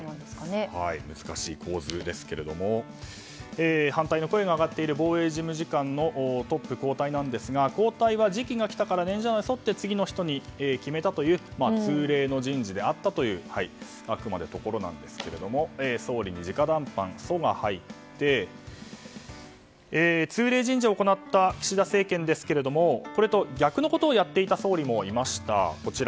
難しい構図ですが反対の声が上がっている防衛事務次官のトップ交代ですが交代は時期が来たから次の人に決めたという通例の人事であったというところなんですが総理に直談判の「ソ」が入って通例人事を行った岸田政権ですがこれと逆のことをやっていた総理もいました。